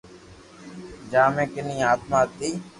جآ مي ڪني آتما ھتي